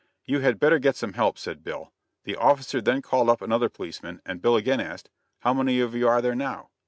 "You had better get some help," said Bill. The officer then called up another policeman, and Bill again asked: "How many of you are there now?"